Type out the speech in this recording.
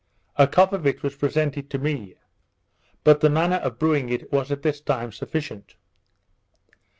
A cup of it was presented to me; but the manner of brewing it was at this time sufficient.